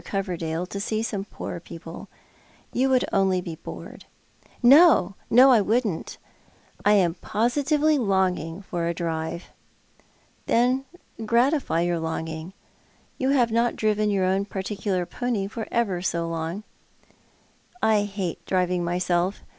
Coverdale to see some poor people. You would only be bored." " No, no, I wouldn't. I am positively longing for a drive." " Then gratify your longing. You have not driven your own particular pony for ever so long." "I hate driving myself.